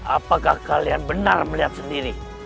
apakah kalian benar melihat sendiri